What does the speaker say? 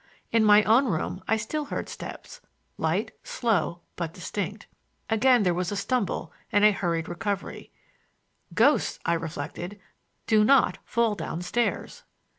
In my own room I still heard steps, light, slow, but distinct. Again there was a stumble and a hurried recovery,—ghosts, I reflected, do not fall down stairs!